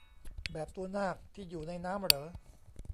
แบบตัวนากที่อยู่ในน้ำเหรอ